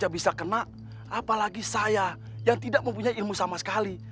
saya bisa kena apalagi saya yang tidak mempunyai ilmu sama sekali